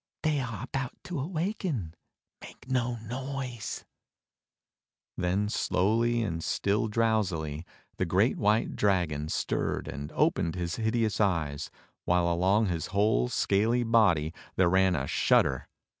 They are about to awaken. Make no noise !" Then slowly, and still drowsily, the great white dragon stirred and opened his hideous eyes, while along his whole scaly body there ran a shudder.